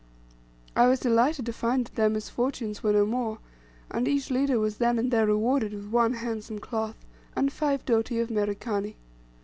I was delighted to find that their misfortunes were no more, and each leader was then and there rewarded with one handsome cloth, and five doti of Merikani.